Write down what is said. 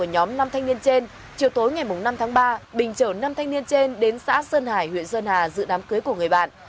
hôm năm tháng ba bình trở năm thanh niên trên đến xã sơn hải huyện sơn hà dự đám cưới của người bạn